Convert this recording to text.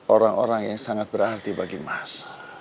orang orang yang sangat berarti bagi mas